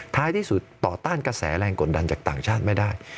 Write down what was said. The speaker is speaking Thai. ท้ายที่สุดต่อต้านกระแสแรงกดดันจากต่างชาติไม่ได้